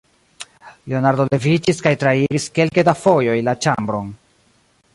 Leonardo leviĝis kaj trairis kelke da fojoj la ĉambron.